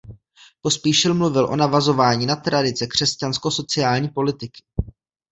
Pospíšil mluvil o navazování na tradice křesťansko sociální politiky.